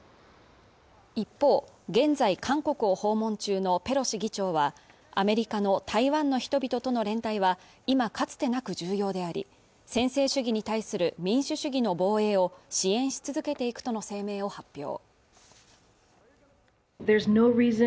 一方現在韓国を訪問中のペロシ議長はアメリカの台湾の人々との連帯は今かつてなく重要であり専制主義に対する民主主義の防衛を支援し続けていくとの声明を発表